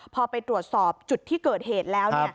พอไปตรวจสอบจุดที่เกิดเหตุแล้ว